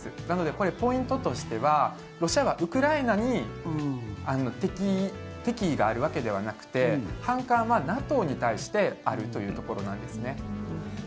なので、これポイントとしてはロシアがウクライナに敵意があるわけではなくて反感はＮＡＴＯに対してあるというところなんですね。